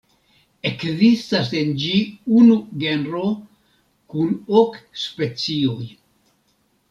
Ekzistas en ĝi unu genro kun ok specioj.